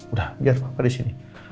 udah biar papa disini